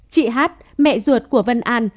chị hát mẹ ruột của vân an